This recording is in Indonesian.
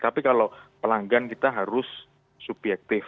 tapi kalau pelanggan kita harus subjektif